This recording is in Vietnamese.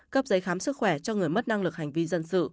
cấp giấy khám sức khỏe cho người mất năng lực hành vi dân sự